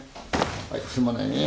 はいすまないね。